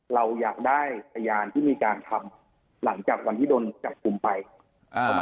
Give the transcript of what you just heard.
เราอยากได้พยานที่มีการทำหลังจากวันที่โดนจับกลุ่มไปอ่าประมาณ